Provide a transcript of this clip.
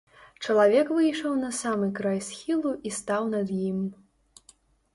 Чалавек выйшаў на самы край схілу і стаў над ім.